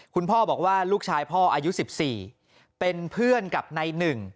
คุณพ่อบอกว่าลูกชายพ่ออายุ๑๔เป็นเพื่อนกับในหนึ่ง